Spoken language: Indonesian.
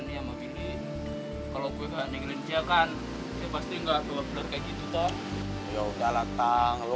tapi kalo gue gak aning inik dia kan dia pasti gak buat bener kayak gitu toh